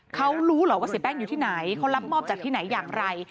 เขารู้เหรอว่าเสียแป้งอยู่ที่ไหนเขารับมอบจากที่ไหนอย่างไร